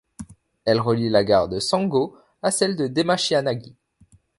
Elle relie la gare de Sanjō à celle de Demachiyanagi.